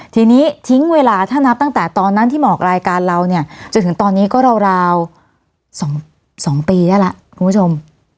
ทีนี้ทิ้งเวลาถ้านับตั้งแต่ตอนนั้นที่หมอกรายการเราเนี่ยจนถึงตอนนี้ก็ราว๒ปีได้แล้วคุณผู้ชม